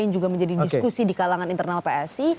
yang juga menjadi diskusi di kalangan internal psi